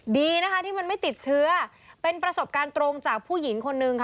ดีนะคะที่มันไม่ติดเชื้อเป็นประสบการณ์ตรงจากผู้หญิงคนนึงค่ะ